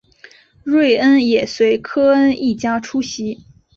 瑞恩也随科恩一家出席。